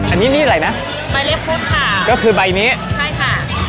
อันนี้นี่อะไรนะใบเล็กพุทธค่ะก็คือใบนี้ใช่ค่ะ